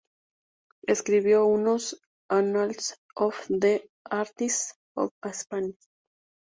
Escribió unos "Annals of the Artists of Spain".